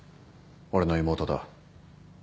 俺の妹だ。